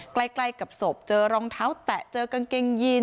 ใกล้กับศพเจอรองเท้าแตะเจอกางเกงยีน